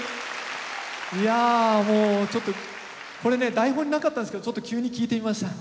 台本になかったんですけどちょっと急に聞いてみました。